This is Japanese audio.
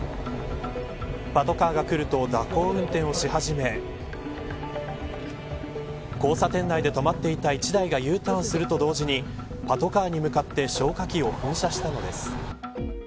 パトカーが来ると蛇行運転をし始め交差点内で止まっていた１台がＵターンすると同時にパトカーに向かって消火器を噴射したのです。